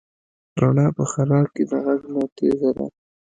رڼا په خلا کې د غږ نه تېزه ده.